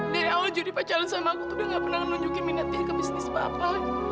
dari awal jodi pacaran sama aku tuh nggak pernah nunjukin minat dia ke bisnis papa